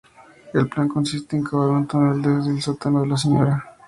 El plan consiste en cavar un túnel desde el sótano de la Sra.